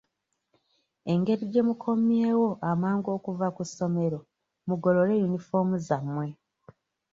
Engeri gye mukomyewo amangu okuva ku ssomero mugolole yunifoomu zammwe.